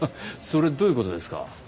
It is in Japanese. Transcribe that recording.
それどういう事ですか？